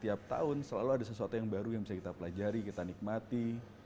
setiap tahun selalu ada sesuatu yang baru yang bisa kita pelajari kita nikmati